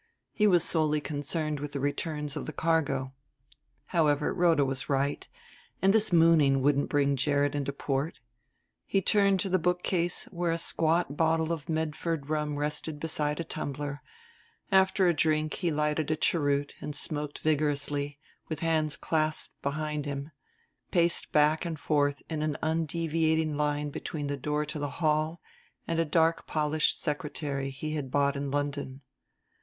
He was solely concerned with the returns of the cargo. However, Rhoda was right, and this mooning wouldn't bring Gerrit into port. He turned to the bookcase, where a squat bottle of Medford rum rested beside a tumbler; after a drink he lighted a cheroot and smoking vigorously, with hands clasped behind him, paced back and forth in an undeviating line between the door to the hall and a dark polished secretary he had bought in London.